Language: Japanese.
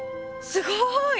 すごい！